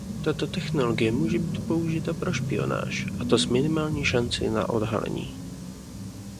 Tato technologie může být použita pro špionáž a to s minimální šancí na odhalení.